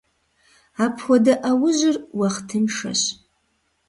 Апхуэдэ Ӏэужьыр уахътыншэщ.